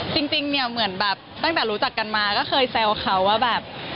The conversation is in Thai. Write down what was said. จริงเนี่ยเหมือนแบบตั้งแต่รู้จักกันมาก็เคยแซวเขาว่าแบบ